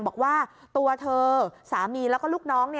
บอกว่าตัวเธอสามีแล้วก็ลูกน้อง